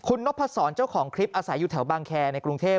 คุณนพศรเจ้าของคลิปอาศัยอยู่แถวบางแคร์ในกรุงเทพ